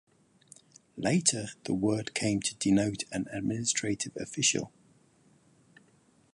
Later the word came to denote an administrative official.